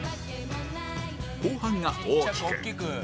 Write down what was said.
後半が大きく